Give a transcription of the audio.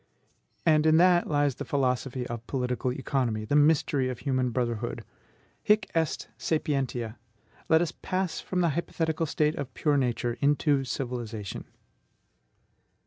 And in that lies the philosophy of political economy, the mystery of human brotherhood. Hic est sapientia. Let us pass from the hypothetical state of pure Nature into civilization.